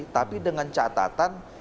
tapi dengan catatan